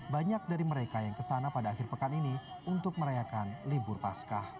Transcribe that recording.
banyak dari mereka yang kesana pada akhir pekan ini untuk merayakan libur pascah